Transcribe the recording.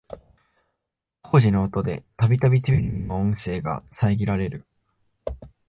工事の音でたびたびテレビの音声が遮られる